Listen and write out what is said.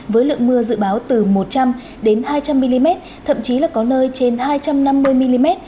với lượng mưa dự báo từ một trăm linh hai trăm linh mm thậm chí là có nơi trên hai trăm năm mươi mm